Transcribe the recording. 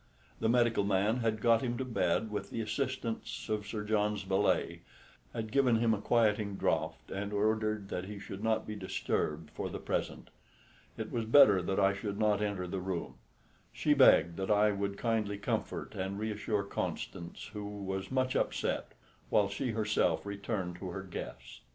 The medical man had got him to bed with the assistance of Sir John's valet, had given him a quieting draught, and ordered that he should not be disturbed for the present. It was better that I should not enter the room; she begged that I would kindly comfort and reassure Constance, who was much upset, while she herself returned to her guests.